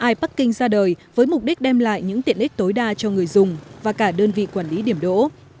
iparking ra đời với mục đích đem lại những tiện ích tối đa cho người dùng và cả đơn vị quản lý điểm đỗ